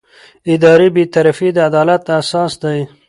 اداري بېطرفي د عدالت اساس دی.